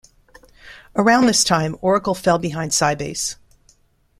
Around this time, Oracle fell behind Sybase.